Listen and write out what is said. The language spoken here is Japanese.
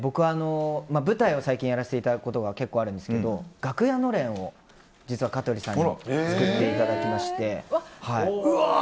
舞台を最近やらせていただくことが結構あるんですけど楽屋のれんを実は香取さんに作っていただきまして。